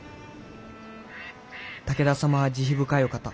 武田様は慈悲深いお方。